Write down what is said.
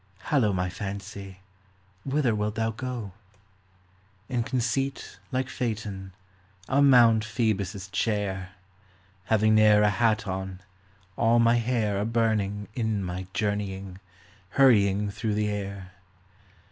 Hallo, my fancy, whither wilt thou go ? In conceit like Phaeton, I '11 mount Phoebus' chair, Having ne'er a hat on, All my hair a burning In my journeying, Hurrying through the air.